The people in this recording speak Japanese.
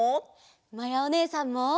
まやおねえさんも。